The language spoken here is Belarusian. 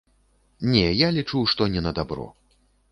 Не, я лічу, што не на дабро.